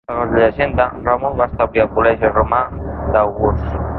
Segons la llegenda, Ròmul va establir el col·legi romà d'àugurs.